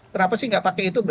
kenapa sih nggak pakai itu